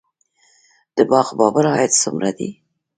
د باغ بابر عاید څومره دی؟